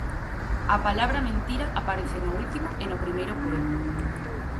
A palabra mentira aparece no último e no primeiro poema.